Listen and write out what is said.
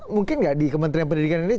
mungkin nggak di kementerian pendidikan ini